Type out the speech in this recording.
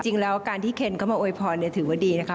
จริงแล้วการที่เคนก็มาโวยพรถือว่าดีนะคะ